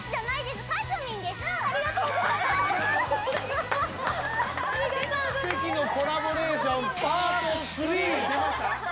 ありがとうございます！